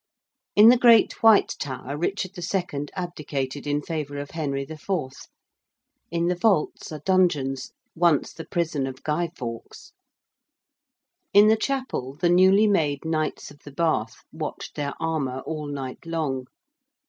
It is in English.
In the Great White Tower Richard II. abdicated in favour of Henry IV. In the vaults are dungeons, once the prison of Guy Fawkes. In the Chapel the newly made Knights of the Bath watched their armour all night long.